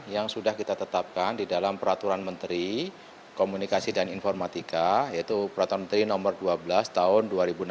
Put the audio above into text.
yang sudah kita tetapkan di dalam peraturan menteri komunikasi dan informatika yaitu peraturan menteri nomor dua belas tahun dua ribu enam belas